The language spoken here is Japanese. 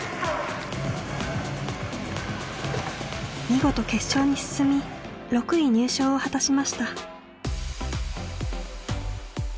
見事決勝に進み６位入賞を果たしました。